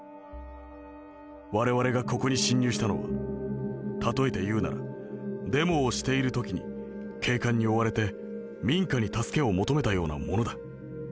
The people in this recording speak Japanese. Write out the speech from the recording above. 我々がここに侵入したのは例えて言うならデモをしている時に警官に追われて民家に助けを求めたようなものだ。